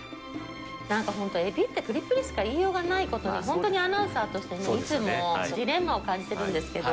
なんか本当、エビってぷりぷりしか言いようがないことに本当にアナウンサーとしてね、いつもジレンマを感じてるんですけど。